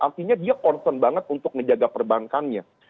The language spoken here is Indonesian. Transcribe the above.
artinya dia concern banget untuk menjaga perbankannya